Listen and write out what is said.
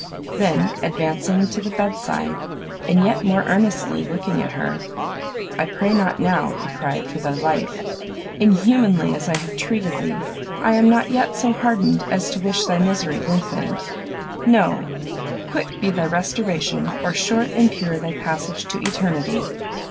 Then, advancing to the bed side, and yet more earnestly looking at her, "I pray not now," he cried, "for thy life! inhumanly as I have treated thee, I am not yet so hardened as to wish thy misery lengthened no; quick be thy restoration, or short as pure thy passage to eternity!